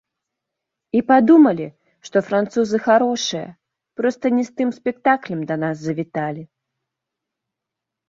І падумалі, што французы харошыя, проста не з тым спектаклем да нас завіталі.